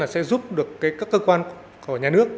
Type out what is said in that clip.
sẽ giúp được các cơ quan của nhà nước